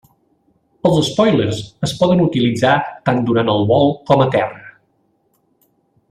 Els espòilers es poden utilitzar tant durant el vol com a terra.